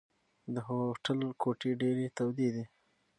د هوټل کوټې ډېرې تودې دي.